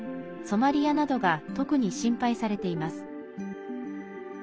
ソマリアなどが特に心配されています。